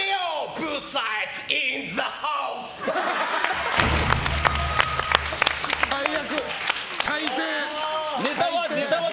ブサイクインザハウス！